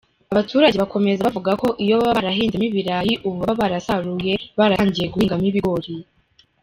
Abaturage bakomeza bavuga ko iyo baba barahinzemo ibirayi ubu baba barasaruye, baratangiye guhingamo ibigori.